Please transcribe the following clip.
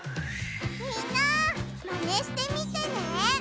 みんなマネしてみてね！